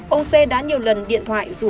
ông c đã nhiều lần điện thoại rủ